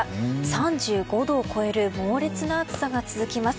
３５度を超える猛烈な暑さが続きます。